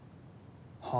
はあ？